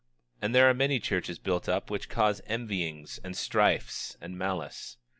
26:21 And there are many churches built up which cause envyings, and strifes, and malice.